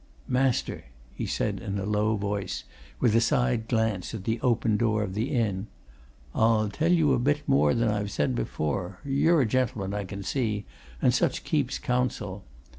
"Master," he said, in a low voice, and with a side glance at the open door of the inn, "I'll tell you a bit more than I've said before you're a gentleman, I can see, and such keeps counsel.